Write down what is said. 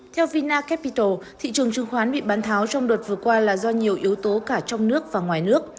theo vina capital thị trường chứng khoán bị bán tháo trong đợt vừa qua là do nhiều yếu tố cả trong nước và ngoài nước